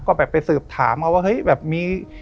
ก็แบบไปสืบถามเขาว่าเฮ้ยแบบมี